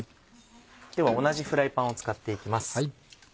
今日は同じフライパンを使っていきます。